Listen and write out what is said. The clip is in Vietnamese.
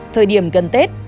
thời điểm gần tết